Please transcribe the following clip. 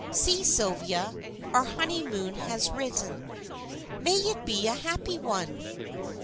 "See, Sylvia, our honeymoon has risen." "May it be a happy one!"